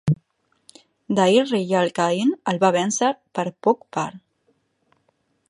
Dahir Riyale Kahin el va vèncer per poc per.